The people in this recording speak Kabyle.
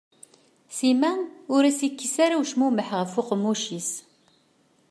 Sima ur as-yekkis ara ucmumeḥ ɣef uqemmuc-is.